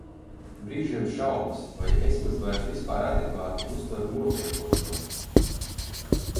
Brīžiem šaubas, vai es maz vairs vispār adekvāti uztveru notiekošo?